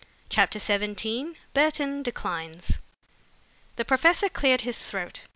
CHAPTER XVII BURTON DECLINES The professor cleared his throat.